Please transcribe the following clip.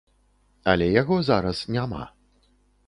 Але яго зараз няма.